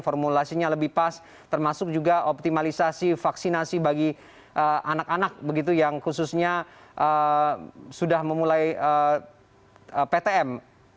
formulasinya lebih pas termasuk juga optimalisasi vaksinasi bagi anak anak begitu yang khususnya sudah memulai ptm